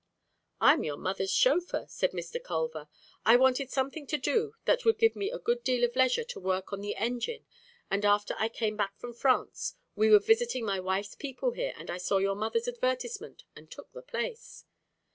"I am your mother's chauffeur," said Mr. Culver. "I wanted something to do that would give me a good deal of leisure to work on the engine and after I came back from France we were visiting my wife's people here and I saw your mother's advertisement and took the place."